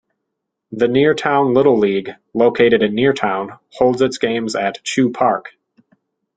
The Neartown Little League, located in Neartown, holds its games at Chew Park.